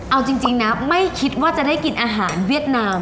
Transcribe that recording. เอาจริงนะไม่คิดว่าจะได้กินอาหารเวียดนาม